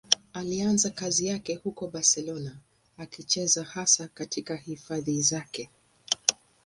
Alianza kazi yake huko Barcelona, akicheza hasa katika hifadhi zake.